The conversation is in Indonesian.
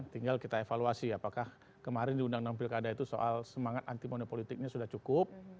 tinggal kita evaluasi apakah kemarin di undang undang pilkada itu soal semangat anti money politiknya sudah cukup